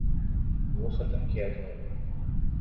وہ ختم کیا جائے۔